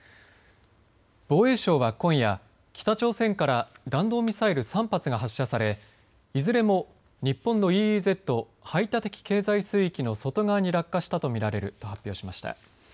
防衛省は今夜、北朝鮮から弾道ミサイル３発が発射されいずれも日本のＥＥＺ排他的経済水域の外側に落下したと見られると判明しました。